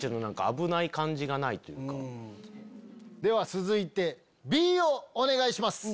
続いてＢをお願いします。